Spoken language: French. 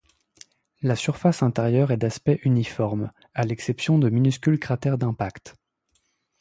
La surface intérieure est d'aspect uniforme, à l'exception de minuscules cratères d'impacts.